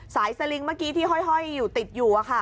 สายสลิงเมื่อกี้ที่ห้อยติดอยู่